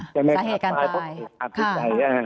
สาเหตุการตาย